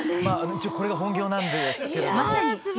一応これが本業なんですけれども。